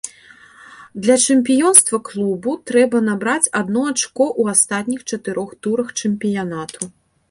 Для чэмпіёнства клубу трэба набраць адно ачко ў астатніх чатырох турах чэмпіянату.